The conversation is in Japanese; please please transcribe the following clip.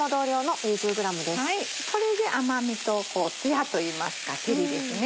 これで甘味とつやといいますか照りですね。